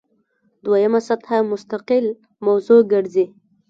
دویمه سطح مستقل موضوع ګرځي.